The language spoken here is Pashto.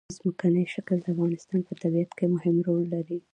ځمکنی شکل د افغانستان په طبیعت کې مهم رول لري.